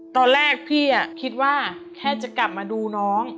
ตอนแรกพี่คิดว่าแค่จะกลับมาดูน้อง